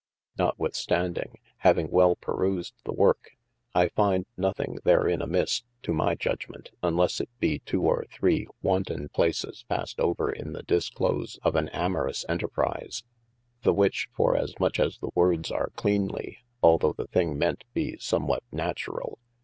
Notwithstanding, having wel perused the worke, I find nothing therein amisse (to my judgemente) unlesse it be two or three wanton places passed over in the discourse of an amorous enterprise. The which for as much as the words are cleanly (although the thing ment be some what natural!)